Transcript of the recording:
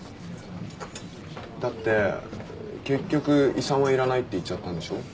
だって結局遺産はいらないって言っちゃったんでしょ？